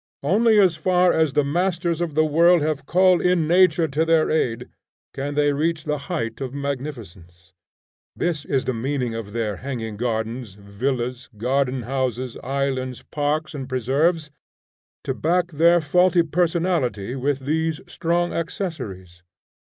Only as far as the masters of the world have called in nature to their aid, can they reach the height of magnificence. This is the meaning of their hanging gardens, villas, garden houses, islands, parks and preserves, to back their faulty personality with these strong accessories.